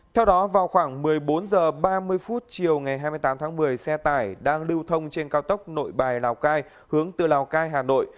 theo đó vào khoảng một mươi bốn h ba mươi chiều ngày hai mươi tám tháng một mươi xe tải đang lưu thông trên cao tốc nội bài lào cai hướng từ lào cai hà nội